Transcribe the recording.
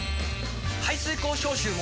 排水口消臭も！